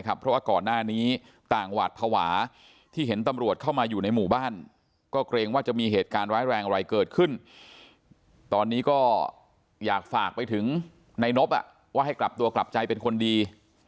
เพราะว่าก่อนหน้านี้ต่างหวาดภาวะที่เห็นตำรวจเข้ามาอยู่ในหมู่บ้านก็เกรงว่าจะมีเหตุการณ์ร้ายแรงอะไรเกิดขึ้นตอนนี้ก็อยากฝากไปถึงในนบว่าให้กลับตัวกลับใจเป็นคนดี